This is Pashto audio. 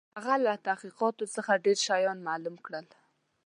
هغه له تحقیقاتو څخه ډېر شيان معلوم کړل.